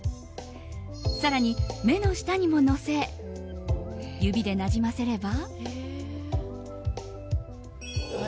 更に、目の下にものせ指でなじませれば。